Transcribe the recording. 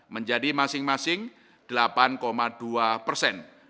menjadi masing masing delapan dua persen